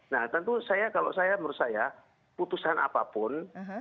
nah tentu saya kalau saya menurut saya putusan apapun